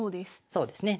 そうですね。